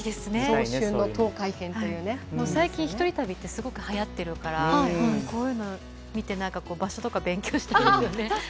最近、ひとり旅がすごくはやってるからこういうのを見て場所とか勉強したいですよね。